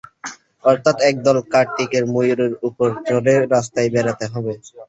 অর্থাৎ, একদল কার্তিককে ময়ূরের উপর চড়ে রাস্তায় বেরোতে হবে।